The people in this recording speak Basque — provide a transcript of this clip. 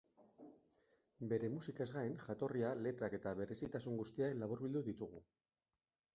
Bere musikaz gain, jatorria, letrak eta berezitasun guztiak laburbildu ditugu.